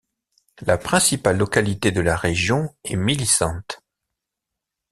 La principale localité de la région est Millicent.